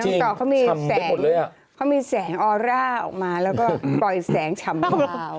ใช่น้องตอบเขามีแสงออลอร่าออกมามีเสียงชำเลา